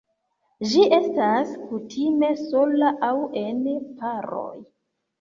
Ĝi estas kutime sola aŭ en paroj.